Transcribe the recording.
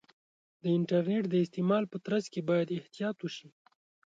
د انټرنیټ د استعمال په ترڅ کې باید احتیاط وشي.